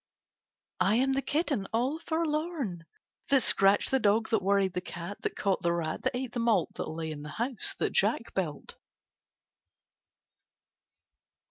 I am the kitten all forlorn. That scratched the dog, That worried the cat. That caught the rat. That ate the malt. That lay in the house that Jack built.